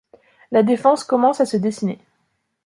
La Défense commence à se dessiner.